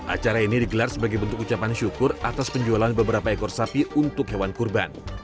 acara ini digelar sebagai bentuk ucapan syukur atas penjualan beberapa ekor sapi untuk hewan kurban